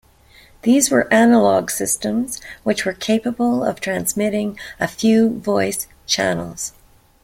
These were analogue systems which were capable of transmitting a few voice channels.